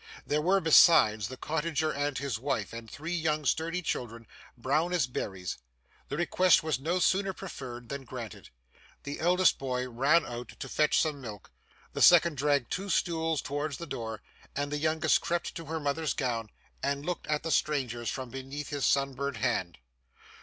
There were besides, the cottager and his wife, and three young sturdy children, brown as berries. The request was no sooner preferred, than granted. The eldest boy ran out to fetch some milk, the second dragged two stools towards the door, and the youngest crept to his mother's gown, and looked at the strangers from beneath his sunburnt hand.